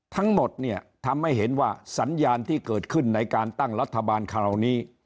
ทั้งหมดเนี่ยทำให้เห็นว่าสัญญาณที่เกิดขึ้นในการตั้งรัฐบาลคราวนี้